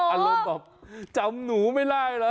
อารมณ์แบบจำหนูไม่ได้เหรอ